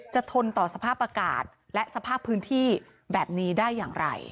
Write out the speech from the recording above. ทนต่อสภาพอากาศและสภาพพื้นที่แบบนี้ได้อย่างไร